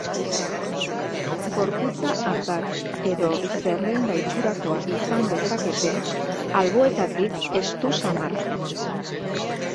Gorputza-ardatz edo zerrenda-itxurakoa izan dezakete, alboetatik estu samarra.